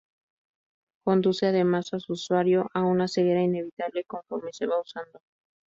Conduce además a su usuario a una ceguera inevitable conforme se va usando.